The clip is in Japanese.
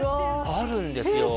あるんですよ